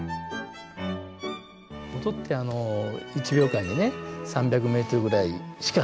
音ってあの１秒間にね３００ｍぐらいしか行かないわけですよね大体ね。